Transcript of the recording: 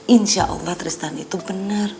insya allah tristan itu benar